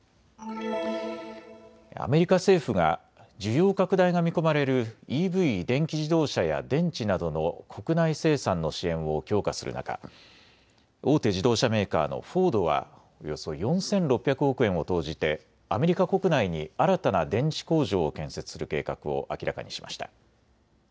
アメリカ政府が需要拡大が見込まれるＥＶ・電気自動車や電池などの国内生産の支援を強化する中、大手自動車メーカーのフォードはおよそ４６００億円を投じてアメリカ国内に新たな電池工場を建設する計画を明らかにしました。